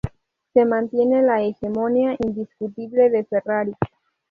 Se mantiene la hegemonía indiscutible de Ferrari.